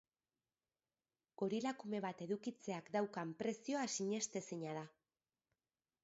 Gorila kume bat edukitzeak daukan prezioa sinestezina da.